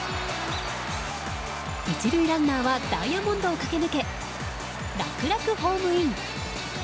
１塁ランナーはダイヤモンドを駆け抜け楽々ホームイン。